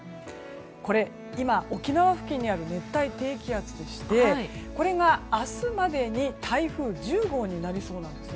これが今、沖縄付近にある熱帯低気圧でしてこれが明日までに台風１０号になりそうなんです。